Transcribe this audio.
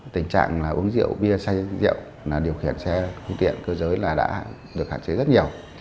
tình trạng uống rượu bia say rượu điều khiển xe phương tiện cơ giới đã được hạn chế rất nhiều